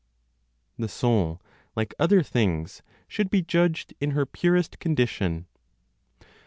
THE SOUL, LIKE OTHER THINGS, SHOULD BE JUDGED IN HER PUREST CONDITION.